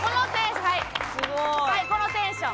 このテンション。